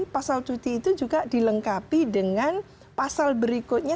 pasal cuti itu juga dilengkapi dengan pasal berikutnya